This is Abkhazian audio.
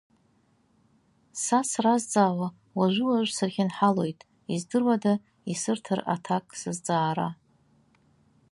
Са сразҵаауа, уажәы-уажә сырхьынҳалоит, издыруада, исырҭар аҭак сызҵаара.